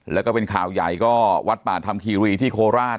แล้วก็เป็นข่าวใหญ่ก็วัดป่าธรรมคีรีที่โคราช